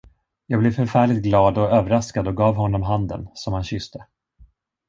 Jag blev förfärligt glad och överraskad och gav honom handen, som han kysste.